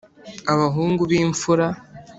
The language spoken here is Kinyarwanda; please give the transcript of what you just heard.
abahungu b'imfura